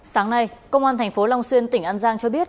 sáng nay công an thành phố long xuyên tỉnh an giang cho biết